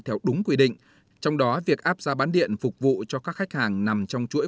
theo đúng quy định trong đó việc áp giá bán điện phục vụ cho các khách hàng nằm trong chuỗi